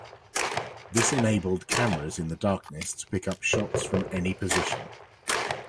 This enabled cameras in the darkness to pick up shots from any position.